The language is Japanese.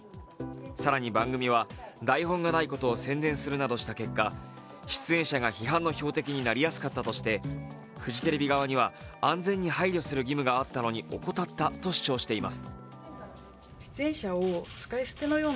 更に番組は台本がないことを宣伝するなどした結果、出演者が批判の標的になりやすかったとして、フジテレビ側には安全に配慮する義務があったのに怠ったと主張しています。